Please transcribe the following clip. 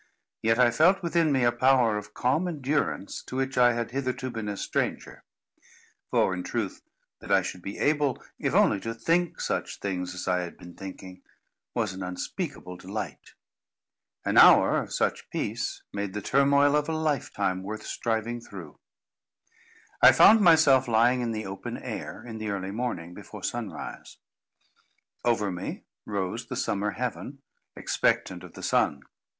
Yet I felt within me a power of calm endurance to which I had hitherto been a stranger. For, in truth, that I should be able if only to think such things as I had been thinking, was an unspeakable delight. An hour of such peace made the turmoil of a lifetime worth striving through. I found myself lying in the open air, in the early morning, before sunrise. Over me rose the summer heaven, expectant of the sun.